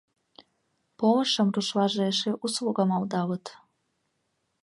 «Полышым» рушлаже эше «услуга» малдалыт.